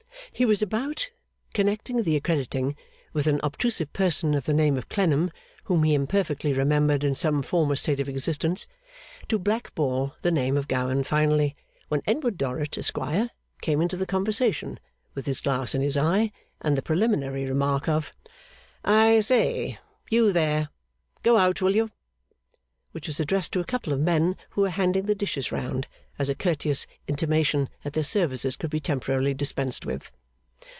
He was about (connecting the accrediting with an obtrusive person of the name of Clennam, whom he imperfectly remembered in some former state of existence) to black ball the name of Gowan finally, when Edward Dorrit, Esquire, came into the conversation, with his glass in his eye, and the preliminary remark of 'I say you there! Go out, will you!' which was addressed to a couple of men who were handing the dishes round, as a courteous intimation that their services could be temporarily dispensed with.